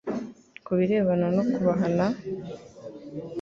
Ku birebana no kubahana,